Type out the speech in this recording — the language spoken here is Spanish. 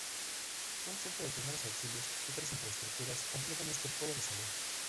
Un centro de primeros auxilios y otras infraestructuras completan este "polo de salud".